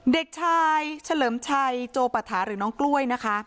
เด็กชายเฉลิมชัยโจปฐาหรือน้องกล้วยนะคะ